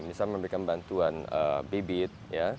misal memberikan bantuan bibit